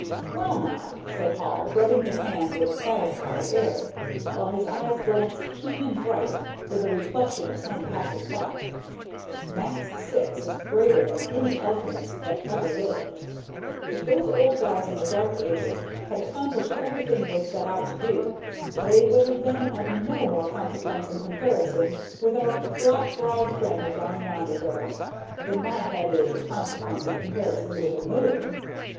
"Well, now," said Hall, rubbing his hands with a satisfied air, while his eyes glanced keen and bright with the reflection of some passing thought, "Max Syx is greater than any alchemist that ever lived. If those old fellows in the dark ages had accomplished everything they set out to do, they would have been of no more consequence in comparison with our black browed friend down yonder than than my head is of consequence in comparison with the moon."